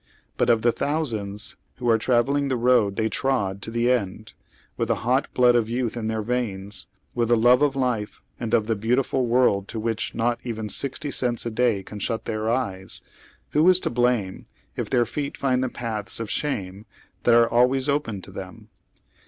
But of the thousands, who are travelling tiie road they trod to the end, with the hot blood of youth in their veins, with the love of life and of the beautiful world to wliich not even sixty cents a day can shut their eyes— who is to blame if their feet find the paths of shame that are " al ways open to them